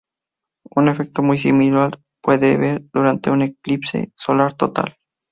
Un efecto muy similar se puede ver durante un Eclipse solar total.